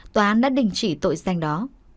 tòa án đã đình chỉ tội danh đó